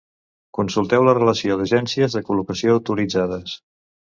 Consulteu la relació d'agències de col·locació autoritzades.